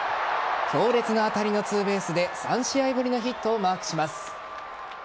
強烈な当たりのツーベースで３試合ぶりのヒットをマークします。